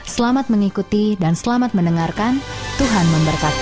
selamat mengikuti dan selamat mendengarkan tuhan memberkati